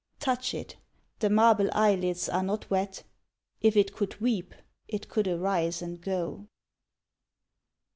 Touch it: the marble eyelids are not wet If it could weep, it could arise and go.